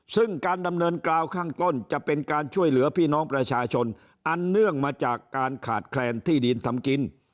ซึ่งการดำเนินกราวข้างต้นจะเป็นการช่วยเหลือพี่น้องประชาชนอันเนื่องมาจากการขาดแคลนที่ดินทำกิน